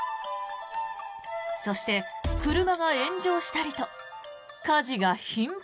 そして、車が炎上したりと火事が頻発。